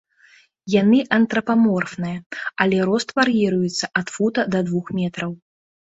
Яны антрапаморфныя, але рост вар'іруецца ад фута да двух метраў.